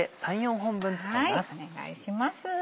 お願いします。